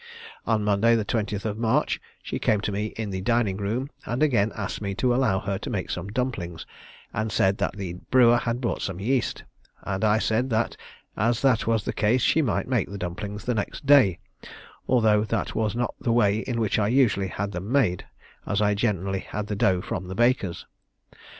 On Monday the 20th of March, she came to me in the dining room, and again asked me to allow her to make some dumplings, and said that the brewer had brought some yeast; and I said that as that was the case she might make the dumplings the next day, although that was not the way in which I usually had them made, as I generally had the dough from the baker's.